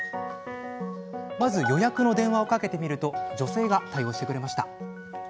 まず予約の電話をかけてみると女性が対応してくれました。